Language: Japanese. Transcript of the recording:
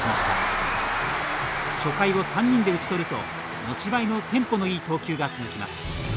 初回を３人で打ち取ると持ち前のテンポのいい投球が続きます。